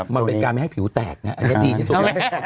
มันเป็นการไม่ให้ผิวแตกนะอันนี้ดีที่สุด